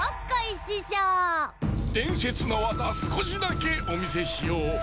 でんせつのわざすこしだけおみせしよう。